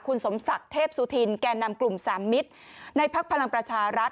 คุณสมศักดิ์เทพสุธินแก่นำกลุ่มสามมิตรในภักดิ์พลังประชารัฐ